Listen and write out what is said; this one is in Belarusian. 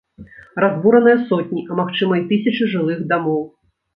Разбураныя сотні, а магчыма і тысячы жылых дамоў.